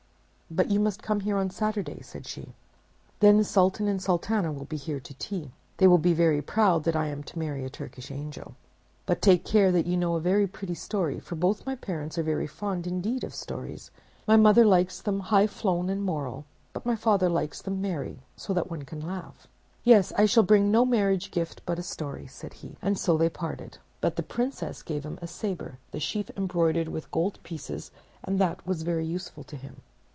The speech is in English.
"But you must come here on Saturday," said she. "Then the Sultan and Sultana will be here to tea. They will be very proud that I am to marry a Turkish angel. But take care that you know a very pretty story, for both my parents are very fond indeed of stories. My mother likes them high flown and moral, but my father likes them merry, so that one can laugh." "Yes, I shall bring no marriage gift but a story," said he; and so they parted. But the Princess gave him a saber, the sheath embroidered with gold pieces and that was very useful to him.